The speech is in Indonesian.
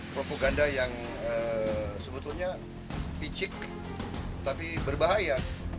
propaganda yang sebetulnya picik tapi berbahaya